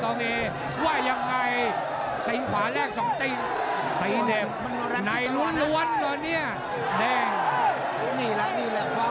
ต้องเอดับแข่งตรงนี้เจอแข่งขวาดับแข่งขวาเจอแข่งขวา